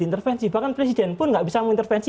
intervensi bahkan presiden pun nggak bisa mengintervensi